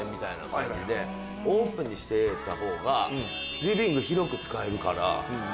オープンにしてたほうがリビング広く使えるから。